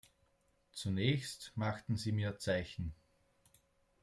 Zunächst machten sie mir Zeichen.